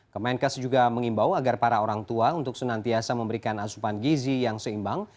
kemenkes juga mengimbau agar para orang tua untuk senantiasa memberikan asupan gizi yang seimbang